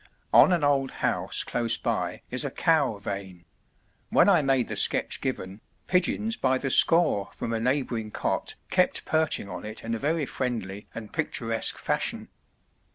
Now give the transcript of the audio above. On an old house close by is a "cow" vane when I made the sketch given, pigeons by the score from a neighbouring cote kept perching on it in a very friendly and picturesque fashion.